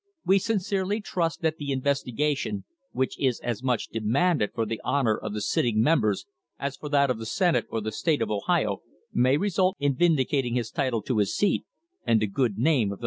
We sincerely trust that the investigation, which is as much demanded for the honour of the sitting members as for that of the Senate or the state of Ohio, may result in vindicating his title to his seat and the good name of the Legis lature that elected him.